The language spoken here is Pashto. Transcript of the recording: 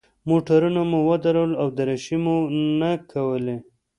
موټرونه مو ودرول او دریشۍ مو نه کولې.